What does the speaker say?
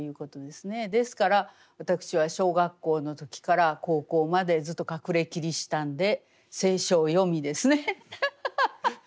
ですから私は小学校の時から高校までずっと隠れキリシタンで聖書を読みですねハハハハ。